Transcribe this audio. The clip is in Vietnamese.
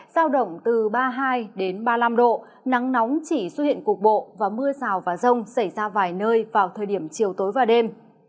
giao động từ ba mươi hai ba mươi năm độ nắng nóng chỉ xuất hiện cục bộ và mưa rào và rông xảy ra vài nơi vào thời điểm chiều tối và đêm